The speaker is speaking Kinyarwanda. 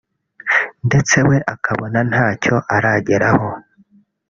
ndetse we akabona ntacyo arageraho